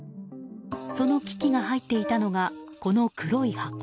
その機器が入っていたのがこの黒い箱。